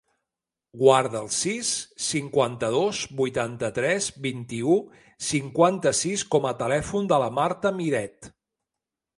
Guarda el sis, cinquanta-dos, vuitanta-tres, vint-i-u, cinquanta-sis com a telèfon de la Marta Miret.